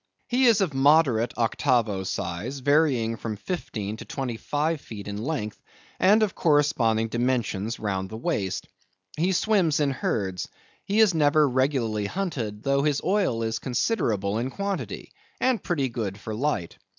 He is of moderate octavo size, varying from fifteen to twenty five feet in length, and of corresponding dimensions round the waist. He swims in herds; he is never regularly hunted, though his oil is considerable in quantity, and pretty good for light.